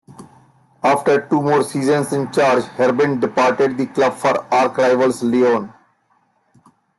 After two more seasons in charge, Herbin departed the club for archrivals Lyon.